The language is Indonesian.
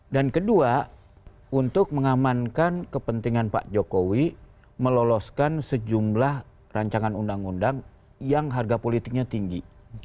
dan kedua untuk mengamankan kepentingan pak jokowi meloloskan sejumlah rancangan undang undang yang harga politiknya tinggi